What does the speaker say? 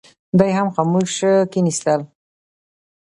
دوی هم خاموش کښېنستل.